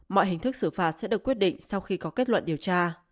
mọi hình thức xử phạt sẽ được quyết định sau khi có kết luận điều tra